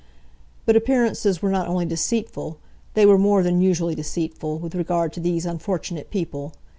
But appearances were not only deceitful, they were more than usually deceitful with regard to these unfortunate people.